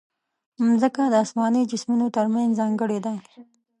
مځکه د اسماني جسمونو ترمنځ ځانګړې ده.